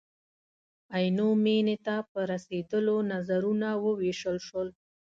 عینو مېنې ته په رسېدلو نظرونه ووېشل شول.